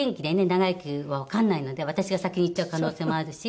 長生きはわからないので私が先に逝っちゃう可能性もあるし。